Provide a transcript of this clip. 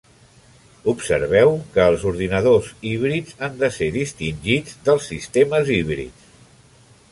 Observeu que els ordinadors híbrids han de ser distingits dels sistemes híbrids.